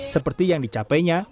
seperti yang dicapainya